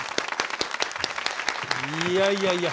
いやいやいや。